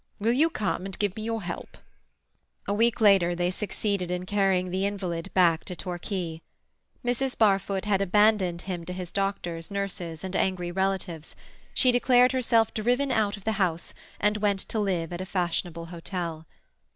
Will you come and give your help?" A week later they succeeded in carrying the invalid back to Torquay. Mrs. Barfoot had abandoned him to his doctors, nurses, and angry relatives; she declared herself driven out of the house, and went to live at a fashionable hotel.